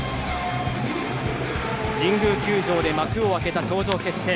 神宮球場で幕を開けた頂上決戦。